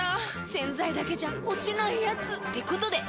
⁉洗剤だけじゃ落ちないヤツってことで。